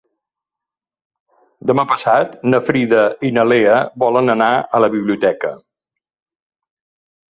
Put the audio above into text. Demà passat na Frida i na Lea volen anar a la biblioteca.